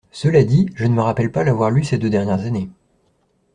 Cela dit, je ne me rappelle pas l’avoir lue ces deux dernières années…